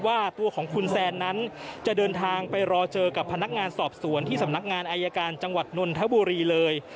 ว่าตัวของคุณแซนนั้นจะเดินทางไปรอเจอกับพนักงานสอบสวนที่สำนักงานอายการจังหวัดนนทบุรีเลย